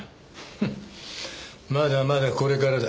フンッまだまだこれからだ。